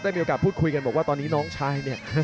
มีโอกาสพูดคุยกันบอกว่าตอนนี้น้องชายเนี่ย